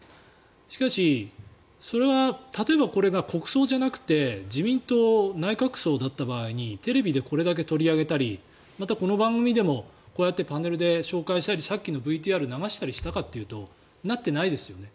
しかし、それは例えばこれが国葬じゃなくて自民党・内閣葬だった場合テレビでこれだけ取り上げたりまたこの番組でもこうやってパネルで紹介したりさっきのＶＴＲ流したりしたかというとなっていないですよね。